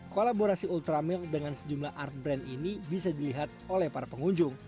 kolaborasi ultramilk dengan sejumlah art brand ini bisa dilihat oleh para pengunjung